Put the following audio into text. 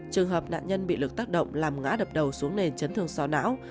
trường hợp nạn nhân bị lực tác động làm ngã đập đầu xuống nền chấn thương sò não